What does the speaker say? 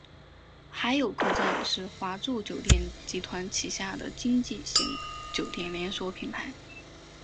海友客栈是华住酒店集团旗下的经济型酒店连锁品牌。